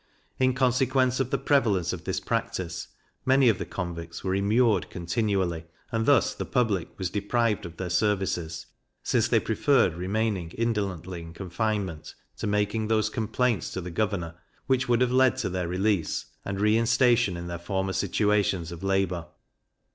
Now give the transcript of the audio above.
In consequence of the prevalence of this practice many of the convicts were immured continually, and thus the public was deprived of their services; since they preferred remaining indolently in confinement to making those complaints to the governor, which would have led to their release, and reinstation in their former situations of labour.